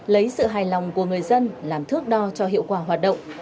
lấy sự hài lòng của người dân làm thước đo cho hiệu quả hoạt động